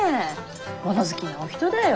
物好きなお人だよ。